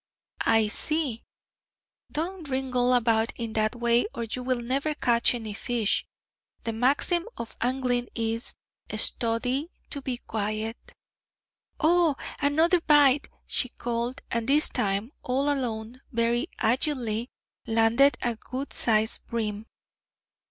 'I see. Don't wriggle about in that way, or you will never catch any fish. The maxim of angling is: "Study to be quiet" ' 'O! another bite!' she called, and this time, all alone, very agilely landed a good sized bream.